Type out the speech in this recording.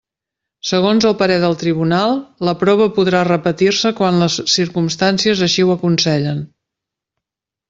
Segons el parer del tribunal, la prova podrà repetir-se quan les circumstàncies així ho aconsellen.